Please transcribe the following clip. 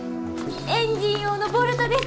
エンジン用のボルトです。